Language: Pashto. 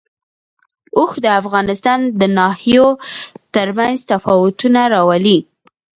اوښ د افغانستان د ناحیو ترمنځ تفاوتونه راولي.